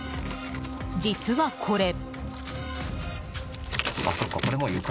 実は、これ。